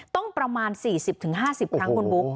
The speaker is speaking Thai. ประมาณ๔๐๕๐ครั้งคุณบุ๊ค